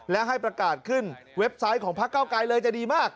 และให้ประกาศขึ้นเว็บไซต์ของพักเก้าไกลเลยจะดีมาก